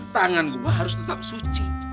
tangan gue harus tetap suci